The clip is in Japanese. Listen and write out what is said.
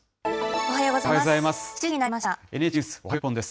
おはようございます。